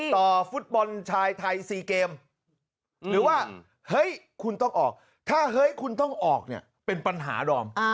ฟุตบอลชายไทย๔เกมหรือว่าเฮ้ยคุณต้องออกถ้าเฮ้ยคุณต้องออกเนี่ยเป็นปัญหาดอม